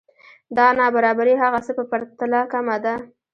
دا نابرابری هغه څه په پرتله کمه ده